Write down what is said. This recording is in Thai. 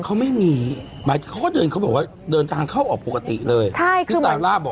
เขาไม่มีเขาก็เดินทางเข้าออกปกติเลย